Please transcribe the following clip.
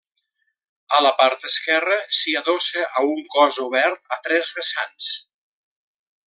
A la part esquerra s'hi adossa a un cos obert a tres vessants.